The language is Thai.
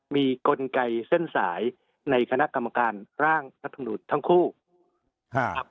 มีกลไกเส้นสายในคณะกรรมการร่างรัฐมนุนทั้งคู่ครับ